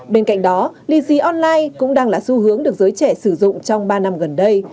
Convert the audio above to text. bên cạnh đó lì xì online cũng đang là xu hướng được giới trẻ sử dụng trong ba năm gần đây